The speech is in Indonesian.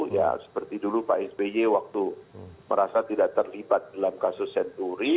ya seperti dulu pak sby waktu merasa tidak terlibat dalam kasus senturi